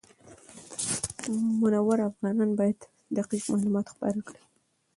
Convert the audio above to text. منور افغانان باید دقیق معلومات خپاره کړي.